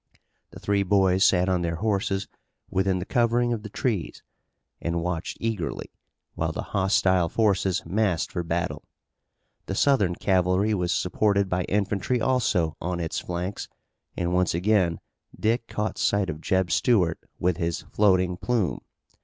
The three boys sat on their horses within the covering of the trees, and watched eagerly, while the hostile forces massed for battle. The Southern cavalry was supported by infantry also on its flanks, and once again Dick caught sight of Jeb Stuart with his floating plume.